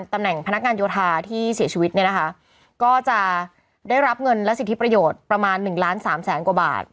ตำแหน่งพนักงานโยธาที่เสียชีวิตเนี่ยนะคะก็จะได้รับเงินและสิทธิประโยชน์ประมาณหนึ่งล้านสามแสนกว่าบาท